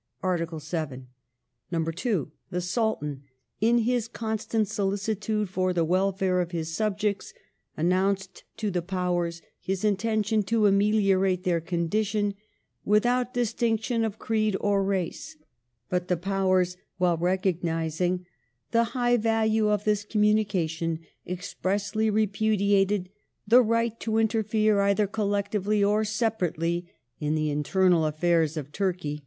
(Art. vii.) ii. The Sultan, " in his constant solicitude for the welfare of his subjects," announced to the Powei"s his intention to ameliorate their condition " without distinction of creed or race "; but the Powei's, while recognizing *' the high value of this communication," expressly repudiated the ''right to interfere either collectively or separately " in the internal affairs of Turkey.